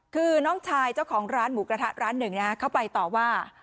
คือน้องชายเจ้าของร้านหมูกระทะร้านหนึ่งเข้าไปต่อว่า